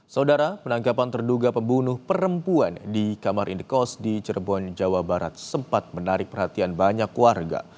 saudara penangkapan terduga pembunuh perempuan di kamar indekos di cirebon jawa barat sempat menarik perhatian banyak warga